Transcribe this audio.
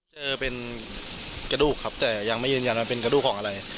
เจอเป็นกระดูกครับแต่ยังไม่ยืนยันว่าเป็นกระดูกของอะไร